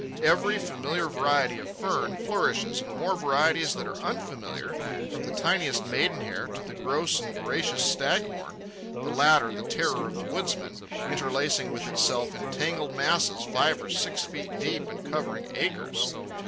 Every familiar variety of fern flourishes, and more varieties that are unfamiliar, from the tiniest maidenhair to the gross and voracious staghorn, the latter the terror of the woodsmen, interlacing with itself in tangled masses five or six feet deep and covering acres.